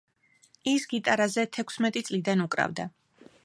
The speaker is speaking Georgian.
ის გიტარაზე თექვსმეტი წლიდან უკრავდა.